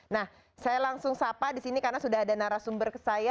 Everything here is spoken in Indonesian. nah saya langsung sapa di sini karena sudah ada narasumber ke saya